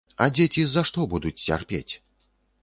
А дзеці за што будуць цярпець?